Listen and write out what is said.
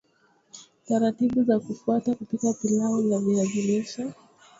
Taratibbu za kufuata kupika pilau la viazi lishe